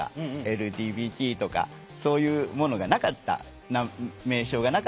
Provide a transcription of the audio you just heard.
ＬＧＢＴとかそういうものがなかった名称がなかったじゃないですか。